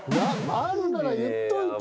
あるなら言っといてよ。